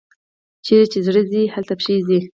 چیري چي زړه ځي، هلته پښې ځي.